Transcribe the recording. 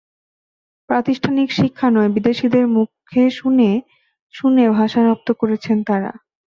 প্রাতিষ্ঠানিক শিক্ষা নয়, বিদেশিদের মুখে শুনে শুনে ভাষা রপ্ত করেছেন তাঁরা।